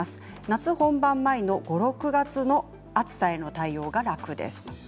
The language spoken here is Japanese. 夏本番前の、５、６月の暑さへの対応が楽です。